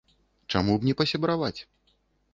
Чаму б не пасябраваць?